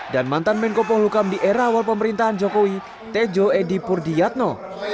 dan mantan menko pohlukam di era awal pemerintahan jokowi tejo edipur diatno